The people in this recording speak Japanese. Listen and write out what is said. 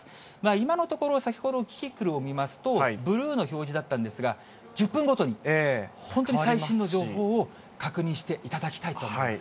今のところ、先ほどキキクルを見ますと、ブルーの表示だったんですが、１０分ごとに本当に最新の情報を確認していただきたいと思います